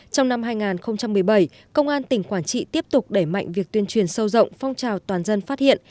trong năm hai nghìn một mươi bảy công an tỉnh quảng trị tiếp tục đẩy mạnh việc tuyên truyền sâu rộng phong trào toàn dân phát hiện